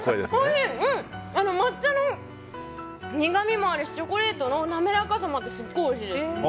抹茶の苦味もあるしチョコレートの滑らかさもあってすごくおいしいです。